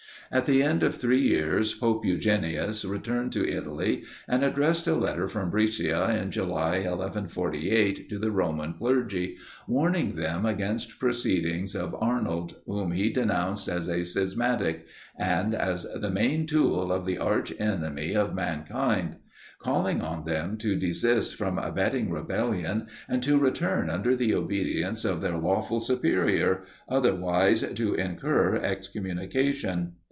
At the end of three years, Pope Eugenius returned to Italy, and addressed a letter from Brescia, in July 1148, to the Roman clergy, warning them against the proceedings of Arnold, whom he denounced as a "schismatic," and as the "main tool of the arch enemy of mankind;" calling on them to desist from abetting rebellion, and to return under the obedience of their lawful Superior: otherwise to incur excommunication.